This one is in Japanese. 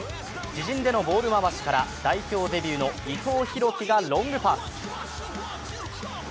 自陣でのゴール回しから代表デビューの伊藤洋輝がロングパス。